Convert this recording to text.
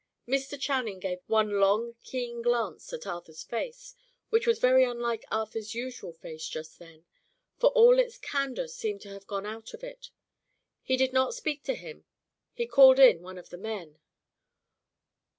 Mr. Channing gave one long, keen glance at Arthur's face which was very unlike Arthur's usual face just then; for all its candour seemed to have gone out of it. He did not speak to him; he called in one of the men.